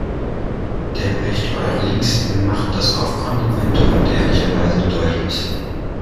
Der Bericht Eurlings macht das auf konsequente und ehrliche Weise deutlich.